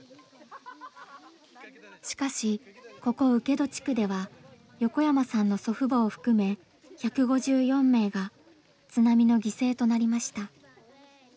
しかしここ請戸地区では横山さんの祖父母を含め１５４名が津波の犠牲となりました。